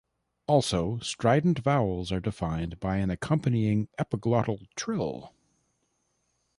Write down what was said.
Also, strident vowels are defined by an accompanying epiglottal trill.